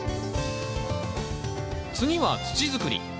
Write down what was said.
次は土づくり。